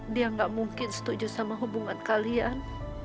dia gak mungkin setuju sama hubungan kalian